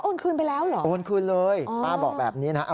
คืนไปแล้วเหรอโอนคืนเลยป้าบอกแบบนี้นะฮะ